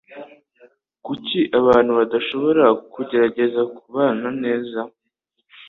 Kuki abantu badashobora kugerageza kubana neza?